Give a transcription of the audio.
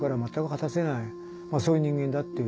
そういう人間だっていう。